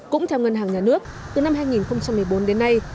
cũng theo ngân hàng nhà nước từ năm hai nghìn một mươi bốn đến nay